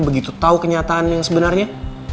begitu tahu kenyataan yang sebenarnya